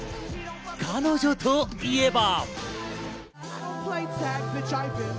彼女といえば。